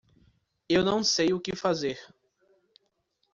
Eu não sei o que fazer.